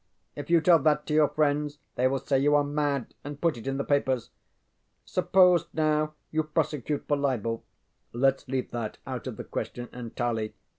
If you tell that to your friends they will say you are mad and put it in the papers. Suppose, now, you prosecute for libel. ŌĆØ ŌĆ£LetŌĆÖs leave that out of the question entirely.